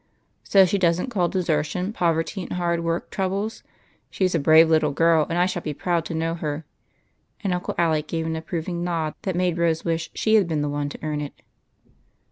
"" So she does n't call desertion, poverty, and hard work, troubles ? She 's a brave little girl, and I shall be proud to know her." And Uncle Alec gave an ap proving nod, that made Rose wish she had been the one to earn it.